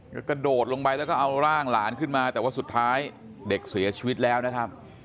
ก็กระโดดลงไปแล้วก็เอาร่างหลานขึ้นมาแต่ว่าสุดท้ายเด็กเสียชีวิตแล้วนะครับ